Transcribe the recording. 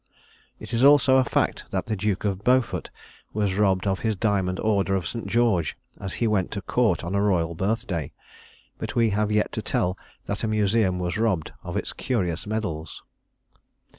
It is also a fact that the Duke of Beaufort was robbed of his diamond order of St. George as he went to Court on a royal birthday; but we have yet to tell that a museum was robbed of its curious medals.